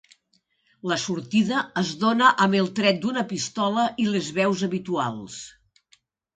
La sortida es dóna amb el tret d'una pistola i les veus habituals.